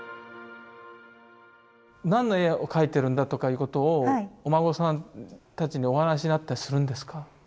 何の絵を描いてるんだとかいうことをお孫さんたちにお話しになったりするんですか？